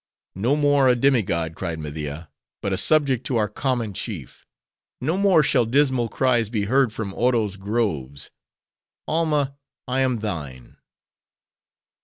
"No more a demigod," cried Media, "but a subject to our common chief. No more shall dismal cries be heard from Odo's groves. Alma, I am thine."